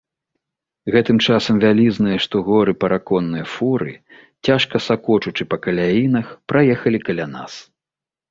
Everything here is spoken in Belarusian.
Гэтым часам вялізныя, што горы, параконныя фуры, цяжка сакочучы на каляінах, праехалі каля нас.